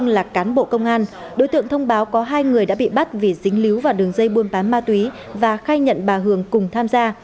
là cán bộ công an đối tượng thông báo có hai người đã bị bắt vì dính líu vào đường dây buôn bán ma túy và khai nhận bà hường cùng tham gia